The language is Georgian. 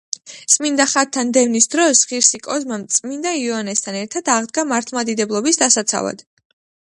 წმინდა ხატთა დევნის დროს ღირსი კოზმა წმინდა იოანესთან ერთად აღდგა მართლმადიდებლობის დასაცავად.